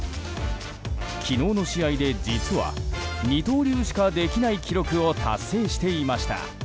昨日の試合で実は、二刀流しかできない記録を達成していました。